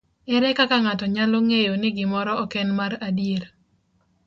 Ere kaka ng'ato nyalo ng'eyo ni gimoro ok en mar adier?